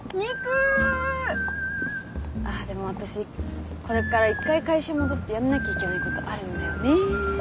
あっでも私これから一回会社戻ってやんなきゃいけないことあるんだよね。